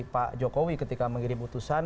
pak jokowi ketika mengirim utusan